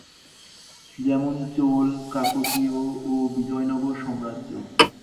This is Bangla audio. যেমন চোল, কাকতীয় ও বিজয়নগর সাম্রাজ্য।